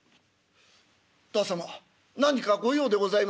「旦様何か御用でございますか？」。